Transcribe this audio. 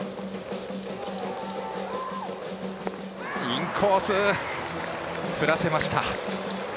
インコース、振らせました。